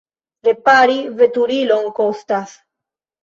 Repari veturilon kostas.